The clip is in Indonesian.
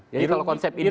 jadi kalau konsep ideal